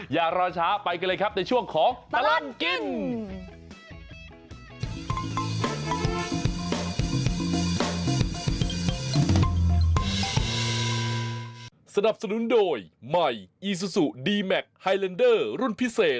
อย่ารอช้าไปกันเลยครับในช่วงของตลอดกิน